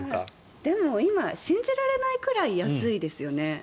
でも信じられないぐらい安いですよね。